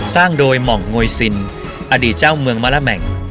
สร้างโดยหม่องโงยซินอดีตเจ้าเมืองมะละแหม่ง